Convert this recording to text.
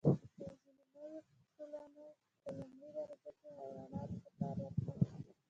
خو ځینو نوو ټولنو په لومړۍ درجه کې حیواناتو ته کار ورکړ.